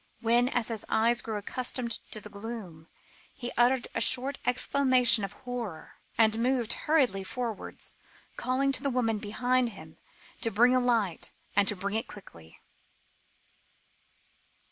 Then, as his eyes grew accustomed to the gloom, he uttered a short exclamation of horror, and moved hurriedly forwards, calling to the woman behind him to bring a light, and to bring it quickly.